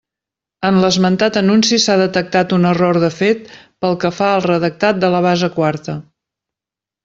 En l'esmentat anunci s'ha detectat un error de fet pel que fa al redactat de la base quarta.